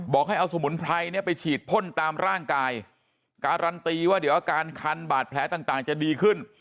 ให้เอาสมุนไพรเนี่ยไปฉีดพ่นตามร่างกายการันตีว่าเดี๋ยวอาการคันบาดแผลต่างจะดีขึ้น